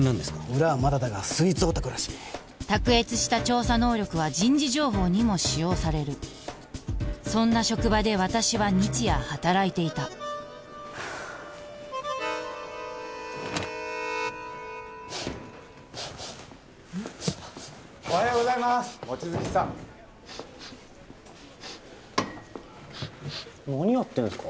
裏はまだだがスイーツオタクらしい卓越した調査能力は人事情報にも使用されるそんな職場で私は日夜働いていたはあおはようございます望月さん何やってんすか？